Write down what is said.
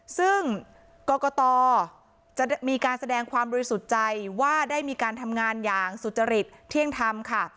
ซึ่งกรกตจะมีการแสดงความบริสุทธิ์ใจว่าได้มีการทำงานอย่างสุจริตเที่ยงธรรมค่ะ